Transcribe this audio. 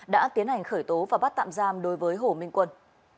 đã tiến hành khởi tố và bắt tạm giam đối với hồ minh quân